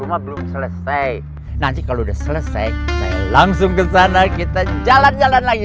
rumah belum selesai nanti kalau udah selesai saya langsung ke sana kita jalan jalan lagi